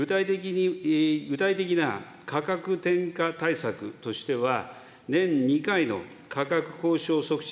具体的な価格転嫁対策としては、年２回の価格交渉促進